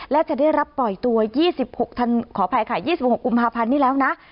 และจะได้รับปล่อยตัว๒๖กุมภาพันธ์นี้แล้วนะ